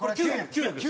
９００です。